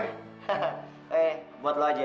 hehehe buat lo aja ya